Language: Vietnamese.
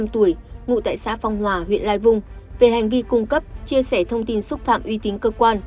bốn mươi năm tuổi ngụ tại xã phong hòa huyện lai vung về hành vi cung cấp chia sẻ thông tin xúc phạm uy tín cơ quan